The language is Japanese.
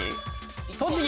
栃木！